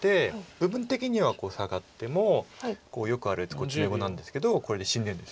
部分的にはサガってもよくある詰碁なんですけどこれで死んでるんです。